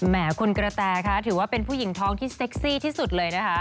แหมคุณกระแตคะถือว่าเป็นผู้หญิงท้องที่เซ็กซี่ที่สุดเลยนะคะ